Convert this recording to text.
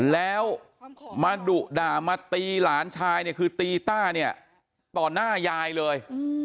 แล้วมาดุด่ามาตีหลานชายเนี่ยคือตีต้าเนี่ยต่อหน้ายายเลย